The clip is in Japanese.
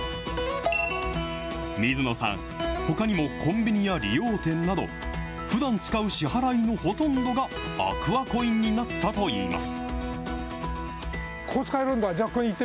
水野さん、ほかにもコンビニや理容店など、ふだん使う支払いのほとんどがアクアコインになったといいます。